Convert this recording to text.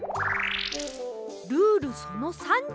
ルールその３０！